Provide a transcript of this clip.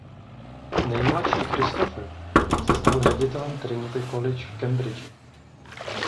Nejmladší Christopher se stal ředitelem Trinity College v Cambridgi.